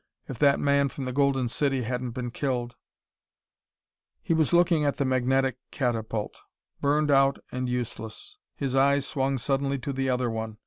If that man from the Golden City hadn't been killed...." He was looking at the magnetic catapult, burned out and useless. His eyes swung suddenly to the other one.